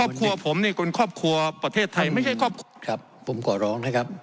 ครอบครัวผมนี่คนครอบครัวประเทศไทยไม่ใช่ครอบครัวครับผมขอร้องนะครับ